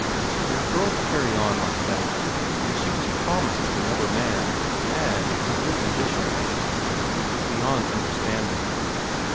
For a girl to carry on like that when she was promised to another man and in her condition! It was beyond understanding.